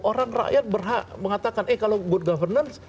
orang rakyat berhak mengatakan eh kalau good governance